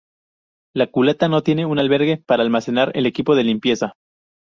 La culata no tiene un albergue para almacenar el equipo de limpieza.